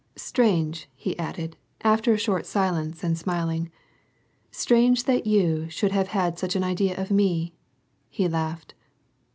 Strange," he added, after a short silence and smiling, —" Strange that you should have had such an idea of me." He laughed.